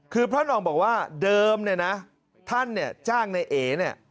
คือพระหน่องบอกว่าเดิมท่านจ้างในเอก